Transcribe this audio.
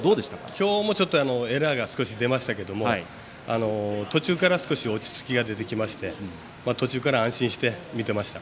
今日もちょっとエラーが少し出ましたけれども途中から少し落ち着きが出てきまして途中からは安心して見ていました。